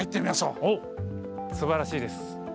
すばらしいです。